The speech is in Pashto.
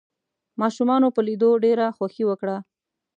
ماشومانو په ليدو ډېره خوښي وکړه.